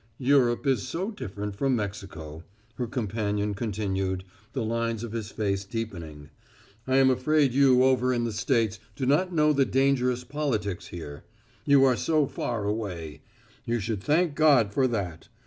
"Europe is so different from Mexico," her companion continued, the lines of his face deepening. "I am afraid you over in the States do not know the dangerous politics here; you are so far away; you should thank God for that.